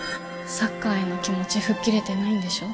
サッカーへの気持ち吹っ切れてないんでしょ？